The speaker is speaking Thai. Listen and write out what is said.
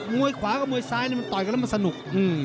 วยขวากับมวยซ้ายมันต่อยกันแล้วมันสนุก